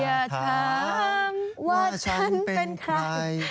อย่าถามว่าฉันเป็นใคร